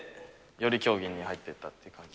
より競技に入っていったという感じ。